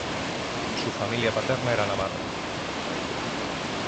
Su familia paterna era navarra.